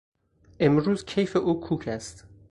امروز کیف او کوک است.